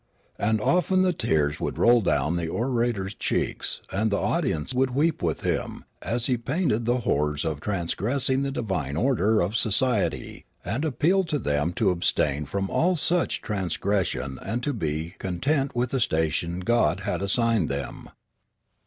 And often the tears would roll down the orator's cheeks, and the audience would weep with him, as he painted the horrors of transgress ing the divine order of society, and appealed to them to abstain from all such transgression and to be content with the station God had assigned them.